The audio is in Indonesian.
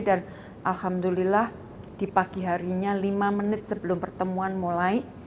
dan alhamdulillah di pagi harinya lima menit sebelum pertemuan mulai